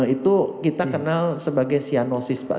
itu kita kenal sebagai cyanosis pak